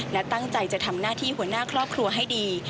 และตั้งใจจะทำหน้าที่หัวหน้าครอบครัวให้ดี